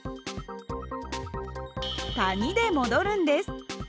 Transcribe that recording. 谷で戻るんです。